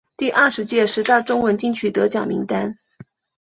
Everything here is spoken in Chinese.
第二十届十大中文金曲得奖名单